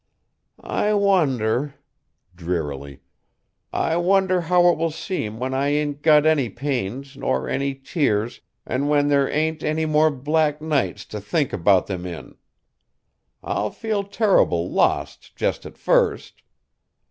I wonder " drearily, "I wonder how it will seem when I ain't got any pains, nor any tears, an' when there ain't any more black nights to think about them in? I'll feel terrible lost just at first.